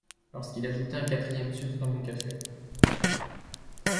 Lorsqu’il ajoutait un quatrième sucre dans mon café.